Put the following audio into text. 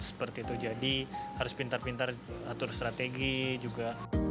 seperti itu jadi harus pintar pintar atur strategi juga